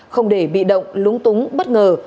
không để bị động lúng túng bất ngờ